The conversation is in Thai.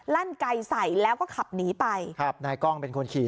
ลั่นไกลใส่แล้วก็ขับหนีไปครับนายกล้องเป็นคนขี่